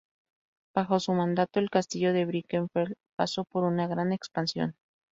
Bajo su mandato, el castillo de Birkenfeld pasó por una gran expansión.